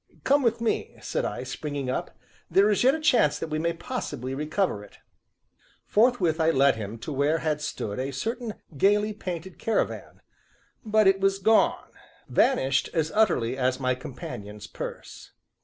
"Come with me," said I, springing up, "there is yet a chance that we may possibly recover it." Forthwith I led him to where had stood a certain gayly painted caravan, but it was gone vanished as utterly as my companion's purse.